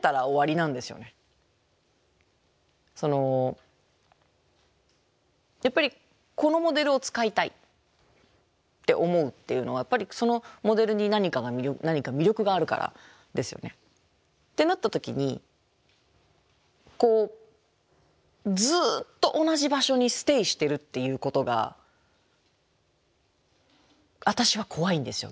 そのやっぱりこのモデルを使いたいって思うっていうのはそのモデルに何か魅力があるからですよね。ってなった時にずっと同じ場所にステイしてるっていうことが私は怖いんですよ